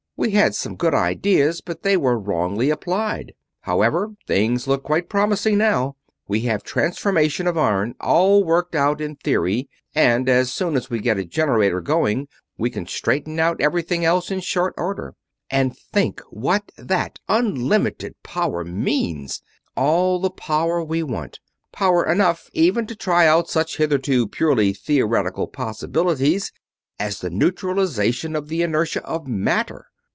We had some good ideas, but they were wrongly applied. However, things look quite promising now. We have the transformation of iron all worked out in theory, and as soon as we get a generator going we can straighten out everything else in short order. And think what that unlimited power means! All the power we want power enough even to try out such hitherto purely theoretical possibilities as the neutralization of the inertia of matter!"